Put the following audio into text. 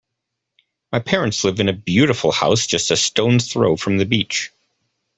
My parents live in a beautiful house just a stone's throw from the beach.